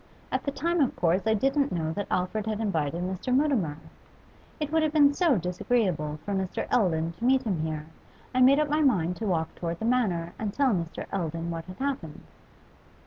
At the time of course I didn't know that Alfred had invited Mr. Mutimer. It would have been so disagreeable for Mr. Eldon to meet him here, I made up my mind to walk towards the Manor and tell Mr. Eldon what had happened.